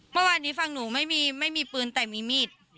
เมื่อวานนี้ฝั่งหนูไม่มีไม่มีปืนแต่มีมีด